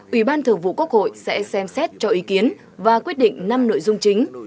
ủy ban thường vụ quốc hội sẽ xem xét cho ý kiến và quyết định năm nội dung chính